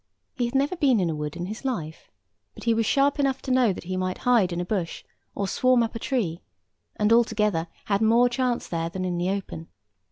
He had never been in a wood in his life; but he was sharp enough to know that he might hide in a bush, or swarm up a tree, and, altogether, had more chance there than in the open.